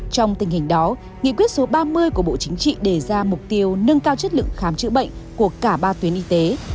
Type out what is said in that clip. trong tình hình đó nghị quyết số ba mươi của bộ chính trị đề ra mục tiêu nâng cao chất lượng khám chữa bệnh của cả ba tuyến y tế